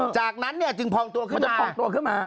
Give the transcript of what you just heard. จากนั้นจึงพองตัวขึ้นมา